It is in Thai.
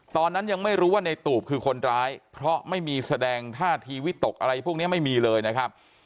ตอนนั้นยังไม่รู้ว่าในตูบคือคนร้ายเพราะไม่มีแสดงท่าทีวิตกอะไรพวกนี้ไม่มีเลยนะครับ